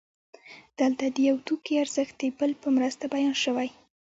دلته د یو توکي ارزښت د بل په مرسته بیان شوی